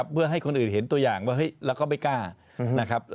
เพื่อให้คนอื่นเห็นตัวอย่างว่าเฮ้ยแล้วก็ไม่กล้า